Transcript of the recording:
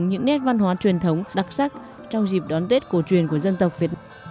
những nét văn hóa truyền thống đặc sắc trong dịp đón tuyết cổ truyền của dân tộc việt nam